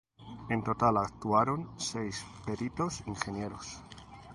En total actuaron seis peritos ingenieros.